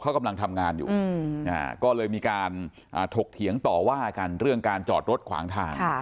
เขากำลังทำงานอยู่ก็เลยมีการถกเถียงต่อว่ากันเรื่องการจอดรถขวางทาง